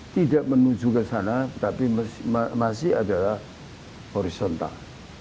tidak menuju ke sana tapi masih adalah horizontal